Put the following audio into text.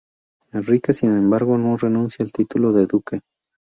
Enrique, sin embargo, no renuncia al título de duque.